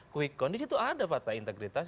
quick count di situ ada fakta integritas